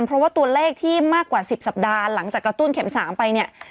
เพราะว่าตัวเลขที่มากกว่า๑๐สัปดาห์หลังจากกระตุ้นเข็ม๓ไปเนี่ย